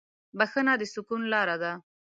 بښنه د سکون لاره ده.